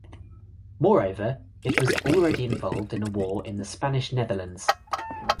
Moreover, it was already involved in a war in the Spanish Netherlands.